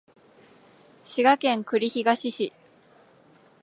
滋賀県栗東市